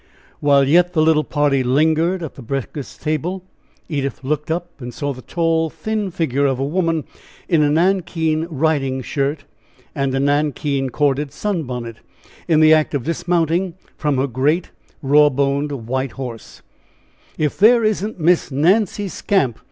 While yet the little party lingered at the breakfast table, Edith looked up, and saw the tall, thin figure of a woman in a nankeen riding shirt, and a nankeen corded sun bonnet, in the act of dismounting from her great, raw boned white horse, "If there isn't Miss Nancy Skamp!"